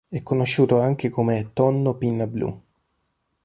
È conosciuto anche come tonno pinna blu.